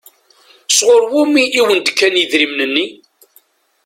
Sɣur wumi i wen-d-kan idrimen-nni?